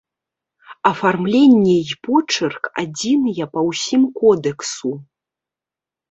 Афармленне і почырк адзіныя па ўсім кодэксу.